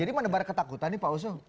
jadi mana barang ketakutan nih pak oso